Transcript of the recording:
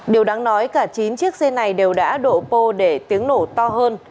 điều đáng nói cả chín chiếc xe này đều đã độ pô để tiếng nổ to hơn